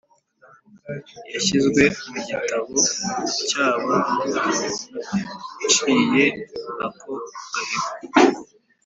yashyizwe mu Gitabo cyaba ciye ako gahigo